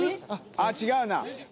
あっ違うな。